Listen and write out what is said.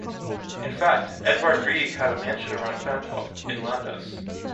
In fact, Edvard Grieg had a mansion around Fantoft, in Landås.